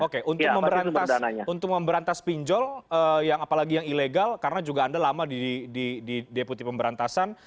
oke untuk memberantas pinjol yang apalagi yang ilegal karena juga anda lama di deputi pemberantasan